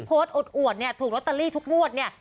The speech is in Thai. อวดเนี่ยถูกลอตเตอรี่ทุกงวดเนี่ย